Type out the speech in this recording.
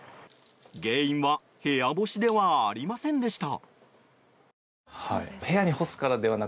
原因は部屋干しではありませんでした。